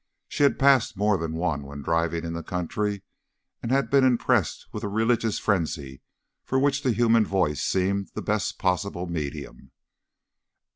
She had passed more than one when driving in the country, and been impressed with the religious frenzy for which the human voice seemed the best possible medium.